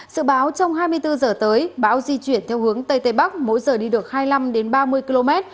sự báo trong hai mươi bốn h tới bão di chuyển theo hướng tây tây bắc mỗi giờ đi được hai mươi năm ba mươi km